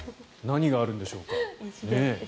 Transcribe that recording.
何があるんでしょうか。